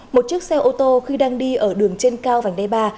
một chiếc xe ô tô khi đang đi ở đường trên cao vành đai ba